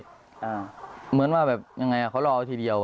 เหมือนว่าแบบยังไงอ่ะเขารอทีเดียว